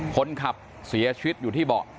คนขับเสียชีวิตอยู่ที่เบาะ